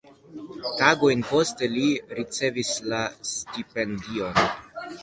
Tagojn poste, li ricevis la stipendion.